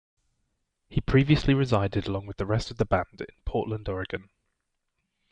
He previously resided along with the rest of the band in Portland, Oregon.